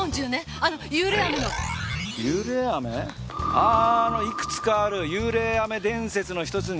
あのいくつかある幽霊飴伝説の一つに。